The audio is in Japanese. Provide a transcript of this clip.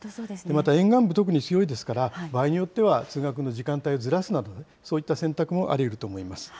また、沿岸部特に強いですから、場合によっては通学の時間帯をずらすなど、そういった選択もありうると思います。